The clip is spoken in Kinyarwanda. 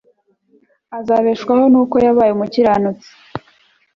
azabeshwaho nuko yabaye umukiranutsi